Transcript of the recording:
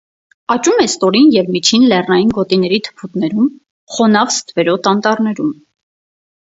Աճում է ստորին և միջին լեռնային գոտիների թփուտներում, խոնավ ստվերոտ անտառներում։